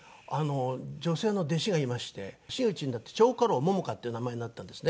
女性の弟子がいまして真打ちになって蝶花楼桃花っていう名前になったんですね。